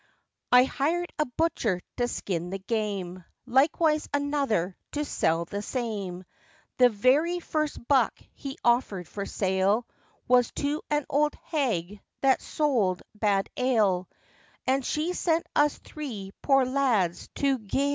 I hired a butcher to skin the game, Likewise another to sell the same; The very first buck he offered for sale, Was to an old [hag] that sold bad ale, And she sent us three poor lads to gaol.